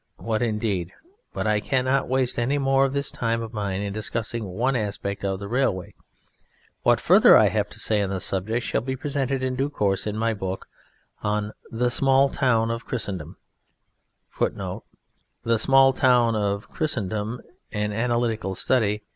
what indeed! But I cannot waste any more of this time of mine in discussing one aspect of the railway; what further I have to say on the subject shall be presented in due course in my book on The Small Town of Christendom [Footnote: The Small Town of Christendom: an Analytical Study.